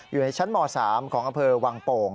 อยู่ในชั้นม๓ของอำเภอวังโป่ง